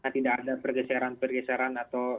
tidak ada pergeseran pergeseran atau